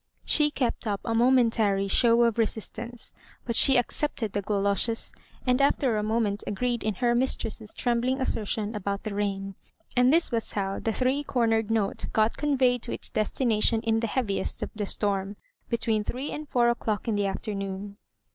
She kept up a momentary show of resistance, but she accepted the goloshes, and even after a moment agreed in her mistress's trembling assertion about the rain. And this was how the three cornered note got conveyed to its destination in the heaviest of the storm, between three and four o'clock in the afternoon.